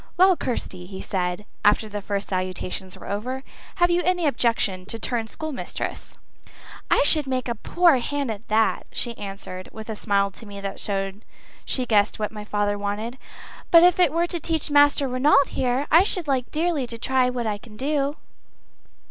"Well, Kirsty," he said, after the first salutations were over, "have you any objection to turn schoolmistress?" "I should make a poor hand at that," she answered, with a smile to me which showed she guessed what my father wanted. "But if it were to teach Master Ranald there, I should like dearly to try what I could do."